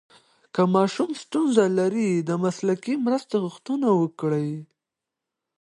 که ماشوم ستونزه لري، د مسلکي مرسته غوښتنه وکړئ.